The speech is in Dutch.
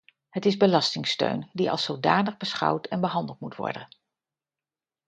Het is belastingsteun die als zodanig beschouwd en behandeld moet worden.